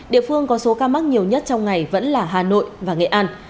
địa phương có số ca mắc nhiều nhất trong ngày vẫn là hà nội và nghệ an